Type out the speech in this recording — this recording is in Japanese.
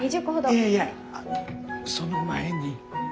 いやいやその前に。